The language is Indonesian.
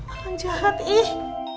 akan jahat ih